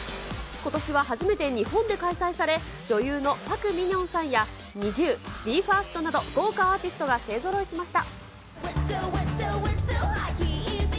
ことしは初めて日本で開催され、女優のパク・ミニョンさんやＮｉｚｉＵ、ＢＥ：ＦＩＲＳＴなど、豪華アーティストが勢ぞろいしました。